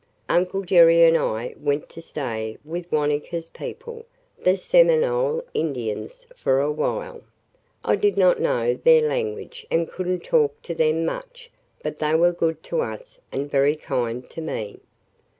Uncle Jerry and I went to stay with Wanetka's people, the Seminole Indians, for a while. I did not know their language and could n't talk to them much but they were good to us and very kind to me.